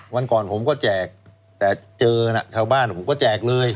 วันก่อนผมก็แจกแต่เจอนะชาวบ้านผมก็แจกเลย